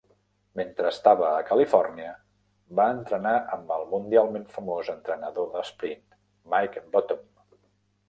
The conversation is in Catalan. Mentre estava a Califòrnia, va entrenar amb el mundialment famós entrenador d'esprint, Mike Bottom.